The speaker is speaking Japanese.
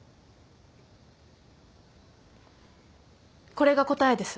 これが答えです。